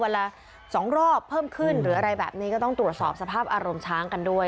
ละ๒รอบเพิ่มขึ้นหรืออะไรแบบนี้ก็ต้องตรวจสอบสภาพอารมณ์ช้างกันด้วย